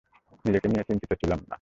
নিজেকে নিয়ে চিন্তিত ছিলাম না।